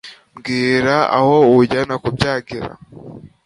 mbwira aho uwujyana kubyagira